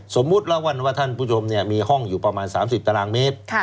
สมมุติแล้วกันว่าท่านผู้ชมมีห้องอยู่ประมาณ๓๐ตารางเมตร